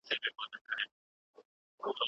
دا ټول په ژبه پورې تړلي دي.